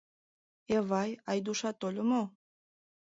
Эвай, Айдушат тольо мо?